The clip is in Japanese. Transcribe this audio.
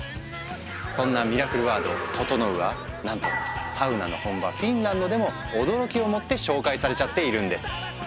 そんなミラクルワード「ととのう」はなんとサウナの本場フィンランドでも驚きをもって紹介されちゃっているんです。